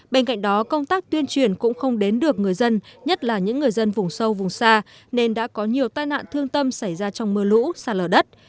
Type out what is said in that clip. bên cạnh đó công tác tuyên truyền cũng không đến được người dân nhất là những người dân vùng sâu vùng xa nên đã có nhiều tai nạn thương tâm xảy ra trong mưa lũ sạt lở đất